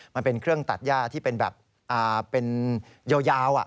มันเป็นเครื่องตัดย่าที่เป็นแบบเป็นยาว